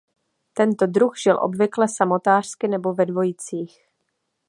Tento druh žil obvykle samotářsky nebo ve dvojicích.